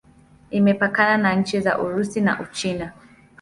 Imepakana na nchi za Urusi na Uchina.